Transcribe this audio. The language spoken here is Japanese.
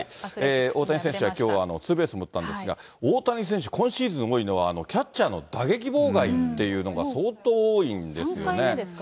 大谷選手はきょうはツーベースも打ったんですが、大谷選手、今シーズン多いのは、キャッチャーの打撃妨害っていうのが相当多いんですよね。